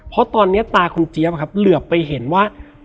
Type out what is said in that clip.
เพราะตอนนี้ตาคุณเจี๊ยบครับเหลือไปเห็นว่า